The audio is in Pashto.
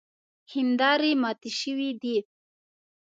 هیندارې ماتې شوې دي.